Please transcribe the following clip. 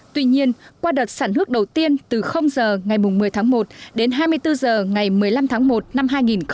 tuy nhiên qua đợt sản hước đầu tiên từ giờ ngày một mươi tháng một đến hai mươi bốn giờ ngày một mươi năm tháng một năm hai nghìn một mươi bảy